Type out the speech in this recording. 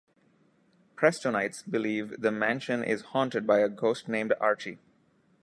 Prestonites believe the mansion is haunted by a ghost named Archie.